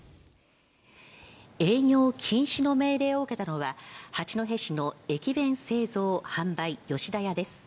営業禁止の命令を受けたのは、八戸市の駅弁製造・販売、吉田屋です。